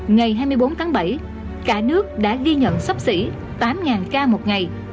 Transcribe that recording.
ngày hai mươi bốn tháng bảy cả nước đã ghi nhận sắp xỉ tám ca một ngày